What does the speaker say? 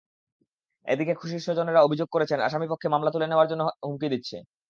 এদিকে খুশির স্বজনেরা অভিযোগ করেছেন, আসামিপক্ষ মামলা তুলে নেওয়ার জন্য হুমকি দিচ্ছে।